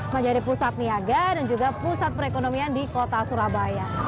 menjadi pusat niaga dan juga pusat perekonomian di kota surabaya